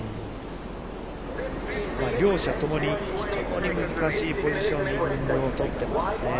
両者ともに非常に難しいポジショニングを取ってますね。